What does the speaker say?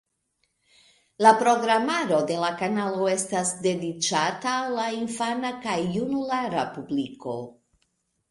La programaro de la kanalo estas dediĉata al la infana kaj junulara publiko.